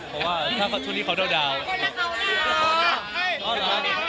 เพราะว่าถ้าช่วงนี้เขาดาวน์